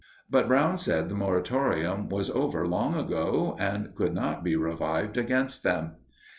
But Brown said the moratorium was over long ago, and could not be revived against them.